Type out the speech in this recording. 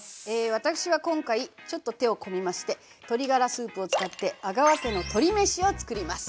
私は今回ちょっと手を込めまして鶏ガラスープを使って「阿川家の鶏めし」を作ります。